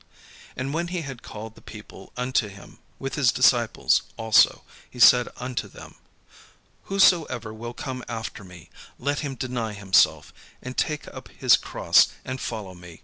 And when he had called the people unto him with his disciples also, he said unto them: "Whosoever will come after me, let him deny himself, and take up his cross, and follow me.